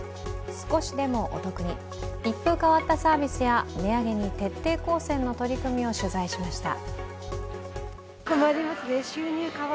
少しでもお得に、一風変わったサービスや値上げに徹底抗戦の取り組みを取材しました。